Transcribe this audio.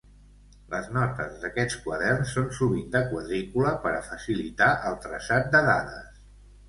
Les notes d'aquests quaderns són sovint de quadrícula per a facilitar el traçat de dades.